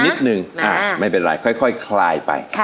นิดนึงไม่เป็นไรค่อยคลายไป